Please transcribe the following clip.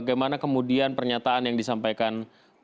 karena kemudian pernyataan yang disampaikan